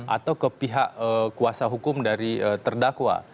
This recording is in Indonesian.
atau ke pihak kuasa hukum dari terdakwa